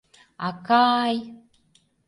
Ака-ай!